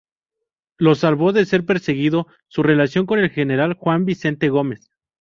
Lo salvó de ser perseguido su relación con el General Juan Vicente Gómez.